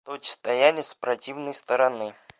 Тучи стояли с противной стороны.